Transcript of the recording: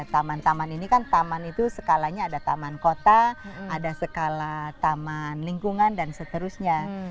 taman taman ini kan taman itu skalanya ada taman kota ada skala taman lingkungan dan seterusnya